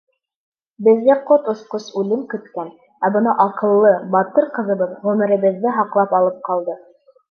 Беҙҙе ҡот осҡос үлем көткән, ә бына аҡыллы, батыр ҡыҙыбыҙ ғүмеребеҙҙе һаҡлап алып ҡалды!